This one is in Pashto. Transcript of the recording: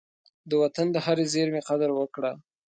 د وطن د هرې زېرمي قدر وکړه.